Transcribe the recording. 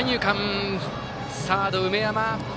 サード、梅山。